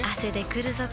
くるぞ？